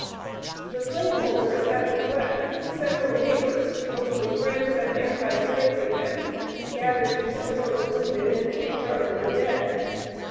The slave holders having fled, several neighbors, mostly Friends and anti slavery men, gathered to succor the wounded and take charge of the dead.